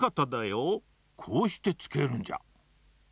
こうしてつけるんじゃ。